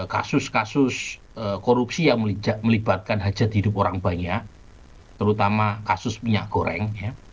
kasus kasus korupsi yang melibatkan hajat hidup orang banyak terutama kasus minyak goreng